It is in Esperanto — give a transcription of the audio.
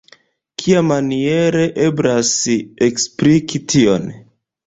Kiamaniere eblas ekspliki tion?